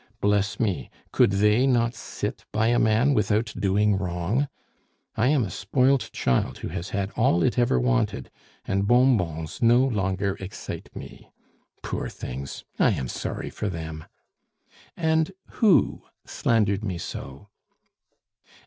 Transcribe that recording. Bless me, could they not sit by a man without doing wrong? I am a spoilt child who has had all it ever wanted, and bonbons no longer excite me. Poor things! I am sorry for them! "And who slandered me so?"